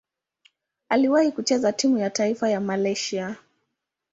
Aliwahi kucheza timu ya taifa ya Malaysia.